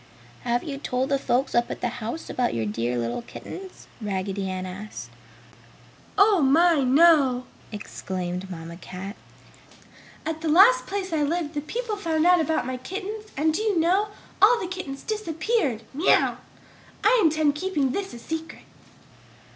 "Have you told the folks up at the house about your dear little kittens?" Raggedy Ann asked. "Oh, my, no!" exclaimed Mamma Cat. "At the last place I lived the people found out about my kittens and do you know, all the kittens disappeared! I intend keeping this a secret!"